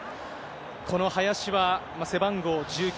この林は、背番号１９。